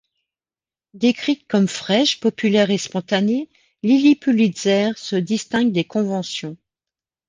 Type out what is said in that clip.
Décrite comme fraîche, populaire et spontanée, Lilly Pulitzer se distingue des conventions.